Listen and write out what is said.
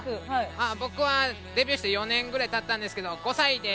あ僕はデビューして４年ぐらいたったんですけど５歳です！